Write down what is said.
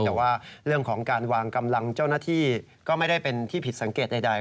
แต่ว่าเรื่องของการวางกำลังเจ้าหน้าที่ก็ไม่ได้เป็นที่ผิดสังเกตใด